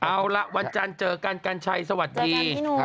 เอาละวันจันทร์เจอกันกัญชัยสวัสดี